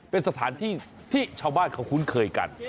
เป็นสถานที่ที่ชาวบ้านเขาคุ้นเคยกัน